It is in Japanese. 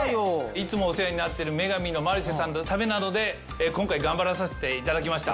いつもお世話になってる『女神のマルシェ』さんのためなので今回頑張らさせていただきました。